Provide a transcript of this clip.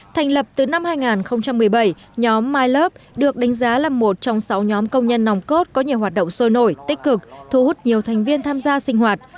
thành lập từ năm hai nghìn một mươi bảy nhóm mylove được đánh giá là một trong sáu nhóm công nhân nòng cốt có nhiều hoạt động sôi nổi tích cực thu hút nhiều thành viên tham gia sinh hoạt